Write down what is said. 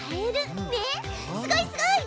すごいすごい！